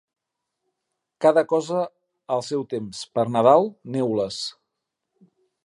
Cada cosa al seu temps; per Nadal, neules.